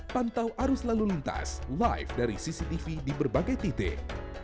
pantau arus lalu lintas live dari cctv di berbagai titik